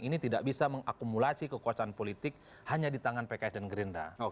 ini tidak bisa mengakumulasi kekuasaan politik hanya di tangan pks dan gerindra